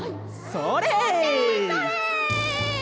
それ！